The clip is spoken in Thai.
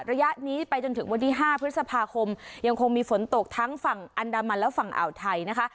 ระยะนี้ไปจนถึงวันที่๕พฤษภาคมยังคงมีฝนตกทั้งฝั่งอันดามันและฝั่งอ่าวไทยนะคะ